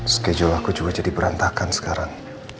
schedule aku juga jadi berantakan sekarang